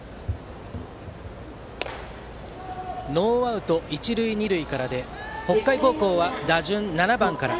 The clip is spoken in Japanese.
ノーアウト、一塁二塁からで北海高校は打順、７番から。